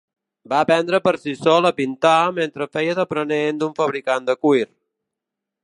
Va aprendre per si sol a pintar mentre feia d'aprenent d'un fabricant de cuir.